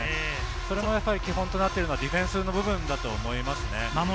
それも基本となっているのはディフェンスの部分だと思いますね。